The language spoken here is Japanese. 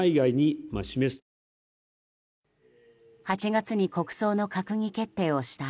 ８月に国葬の閣議決定をした